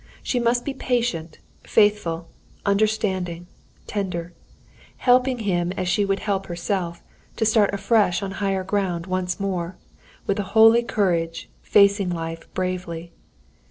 She must be patient, faithful, understanding, tender; helping him, as she would help herself, to start afresh on higher ground; once more, with a holy courage, facing life bravely.